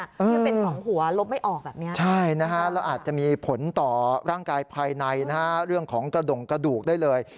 ที่เป็นสองหัวลบไม่ออกแบบนี้ใช่นะฮะแล้วอาจจะมีผลต่อร่างกายภายในนะฮะเรื่องของกระดงกระดูกได้เลย